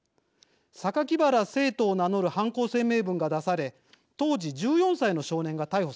「酒鬼薔薇聖斗」を名乗る犯行声明文が出され当時１４歳の少年が逮捕されました。